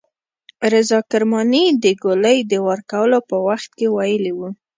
رضا کرماني د ګولۍ د وار کولو په وخت کې ویلي وو.